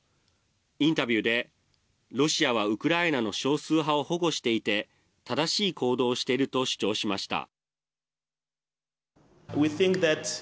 インタビューでロシアはウクライナの少数派を保護していて正しい行動をしていると主張しました。